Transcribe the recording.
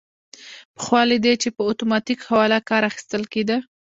پخوا له دې څخه په اتوماتیک حواله کار اخیستل کیده.